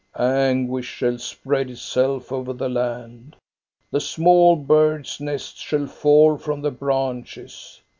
"Anguish shall spread itself over the land. The small birds' nests shall fall from the branches.